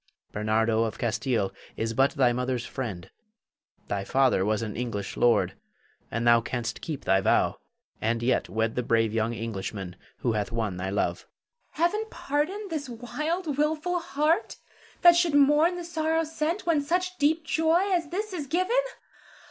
Bernardo of Castile is but thy mother's friend; thy father was an English lord, and thou canst keep thy vow, and yet wed the brave young Englishman who hath won thy love. Zara. Heaven pardon this wild, wilful heart that should mourn the sorrow sent, when such deep joy as this is given.